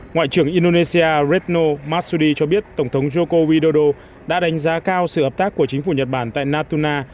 ngoại trưởng indonesia retno masudi cho biết tổng thống joko widodo đã đánh giá cao sự hợp tác của chính phủ nhật bản tại natuna